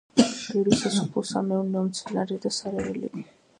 ბევრი სასოფლო-სამეურნეო მცენარე და სარეველები.